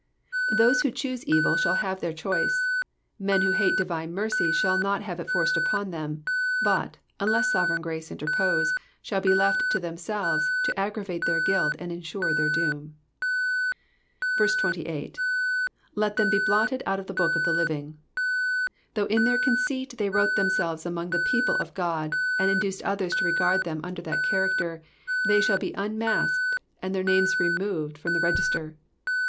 *' Those who choose evil shall have their choice. Men who hate divine mercy shall not have it forced upon them, but (unless sovereign grace interpose) shall be left to themselves to aggravate their guilt, and ensure their doom. 28. ''Let them be blotted out of the book of the living,''^ Though in their con ceit they wrote themselves among the people of God, and induced others to regard them under that character, they shall be unmasked and their niunes removed from the register.